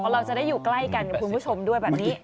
เราจะได้อยู่ใกล้กันกับคุณผู้ชมด้วยแบบนี้